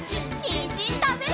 にんじんたべるよ！